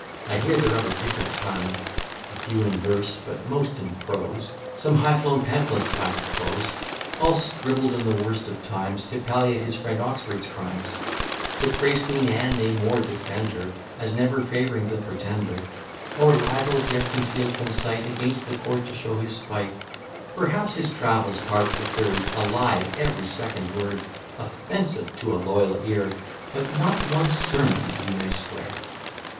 I hear, they're of a different kind; A few in verse; but most in prose Some high flown pamphlets, I suppose; All scribbled in the worst of times, To palliate his friend Oxford's crimes, To praise Queen Anne, nay more, defend her, As never fav'ring the Pretender; Or libels yet conceal'd from sight, Against the court to show his spite; Perhaps his travels, part the third; A lie at every second word Offensive to a loyal ear: But not one sermon, you may swear."